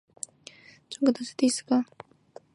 在十二个孩子中戈登是第四个。